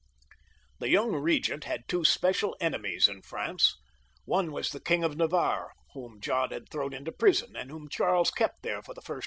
The young regent had two special enemies in France ; one was the King of Navarre, whom John had thrown into prison, and whom Charles kept there for the first XXVI.